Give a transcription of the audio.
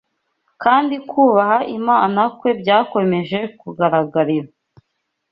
kandi kubaha Imana kwe byakomeje kugaragarira